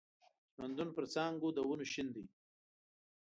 ژوندون پر څانګو د ونو شین دی